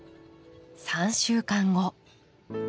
３週間後。